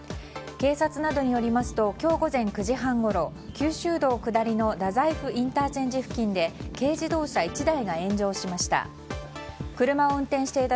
警察などによりますと今日午前９時半ごろ九州道下りの大宰府ＩＣ付近で軽自動車１台が炎上しました。